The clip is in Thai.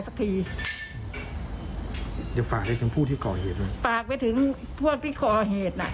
สักทีจะฝากอะไรถึงผู้ที่ก่อเหตุไหมฝากไปถึงพวกที่ก่อเหตุน่ะ